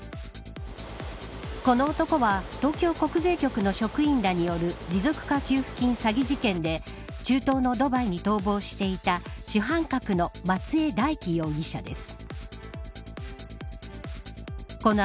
この男は東京国税局の職員らによる持続化給付金詐欺事件で中東のドバイに逃亡していた主犯格の松江大樹容疑者です。